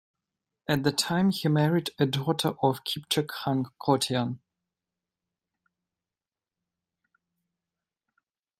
At that time, he married a daughter of Kypchak Khan Kotian.